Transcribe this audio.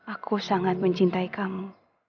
aku sangat mencintai kamu